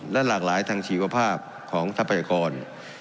และหลากหลายทางชีวภาพของทรัพยากร